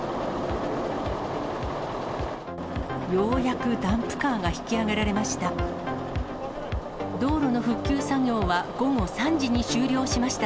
ようやくダンプカーが引き上げられました。